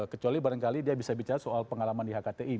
kecuali barangkali dia bisa bicara soal pengalaman di hkti